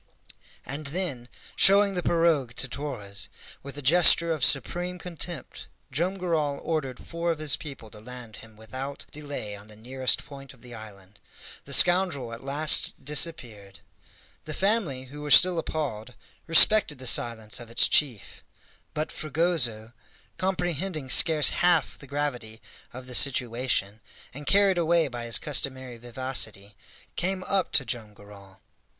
And then, showing the pirogue to Torres, with a gesture of supreme contempt Joam Garral ordered four of his people to land him without delay on the nearest point of the island. The scoundrel at last disappeared. The family, who were still appalled, respected the silence of its chief; but Fragoso, comprehending scarce half the gravity of the situation, and carried away by his customary vivacity, came up to Joam Garral.